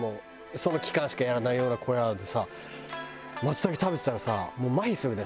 その期間しかやらないような小屋でさ松茸食べてたらさもうまひするね。